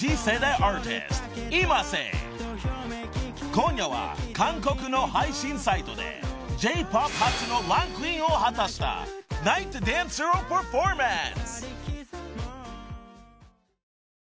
［今夜は韓国の配信サイトでＪ−ＰＯＰ初のランクインを果たした『ＮＩＧＨＴＤＡＮＣＥＲ』をパフォーマンス］